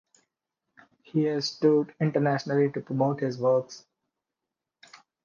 He has toured internationally to promote his works.